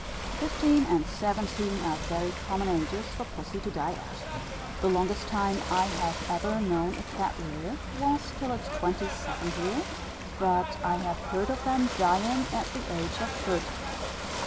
Fifteen and seventeen are very common ages for Pussy to die at. The longest time I have ever known a cat live, was till its twenty second year, but I have heard of them dying at the age of thirty.